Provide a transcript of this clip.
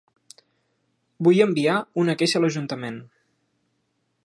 Vull enviar una queixa a l'ajuntament.